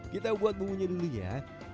kita buat bumbunya dulu ya